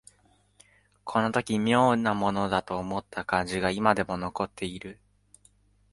この時妙なものだと思った感じが今でも残っている